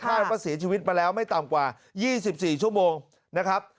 ว่าเสียชีวิตมาแล้วไม่ต่ำกว่า๒๔ชั่วโมงนะครับ